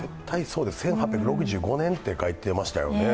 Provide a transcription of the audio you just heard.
１８６５年と書いてましたよね。